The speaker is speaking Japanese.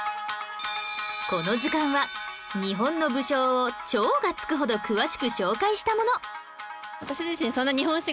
この図鑑は日本の武将を「超」が付くほど詳しく紹介したもの